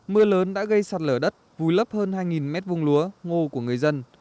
mưa lớn đã gây sạt lở đất vùi lấp hơn hai mét vùng lúa ngô của người dân